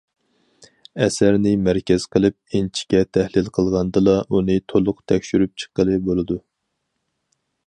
ئەسەرنى مەركەز قىلىپ ئىنچىكە تەھلىل قىلغاندىلا، ئۇنى تولۇق تەكشۈرۈپ چىققىلى بولىدۇ.